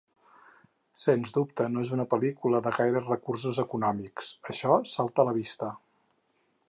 Sens dubte no és una pel·lícula de gaires recursos econòmics, això salta a la vista.